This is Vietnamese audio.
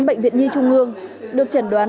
bệnh viện nhi trung ương được chẩn đoán